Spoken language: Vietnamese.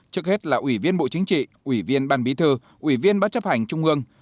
tết là ủy viên bộ chính trị ủy viên ban bí thư ủy viên ban chấp hành trung ương